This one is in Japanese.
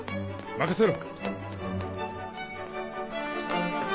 任せろ！